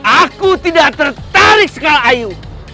aku tidak tertarik sekarang ayu